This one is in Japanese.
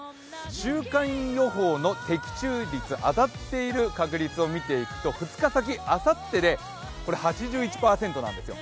週間予報の的中率、当たっている確率を見ていくと２日先、あさってで８１％なんですよ。